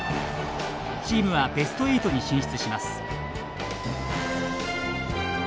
チームはベスト８に進出します。